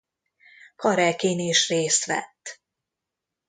Karekin is részt vett.